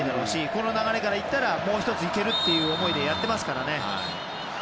この流れからすればもう１ついけるという思いでやってますからね。